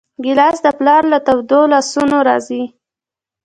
ګیلاس د پلار له تودو لاسونو راځي.